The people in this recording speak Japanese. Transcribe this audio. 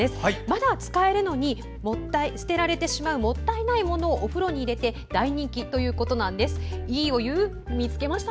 まだ使えるのに捨てられてしまうもったいないものをお風呂に入れて大人気となっています。